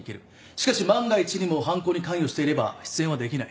しかし万が一にも犯行に関与していれば出演はできない。